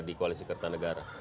di koalisi kertanegara